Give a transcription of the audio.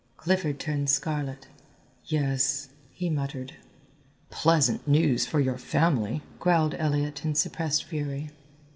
Clifford turned scarlet. "Yes," he muttered. "Pleasant news for your family," growled Elliott in suppressed fury.